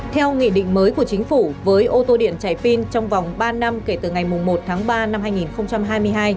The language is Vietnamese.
theo nghị định mới của chính phủ với ô tô điện chạy pin trong vòng ba năm kể từ ngày một tháng ba năm hai nghìn hai mươi hai